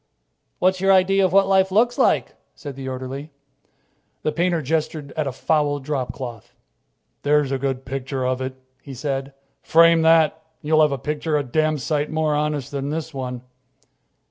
"What's your idea of what life looks like?" said the orderly. The painter gestured at a foul dropcloth. "There's a good picture of it," he said. "Frame that, and you'll have a picture a damn sight more honest than this one."